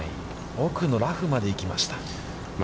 奥のラフまで行きました。